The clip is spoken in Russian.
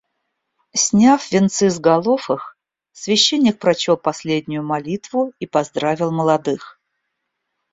Сняв венцы с голов их, священник прочел последнюю молитву и поздравил молодых.